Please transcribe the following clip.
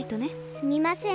すみません。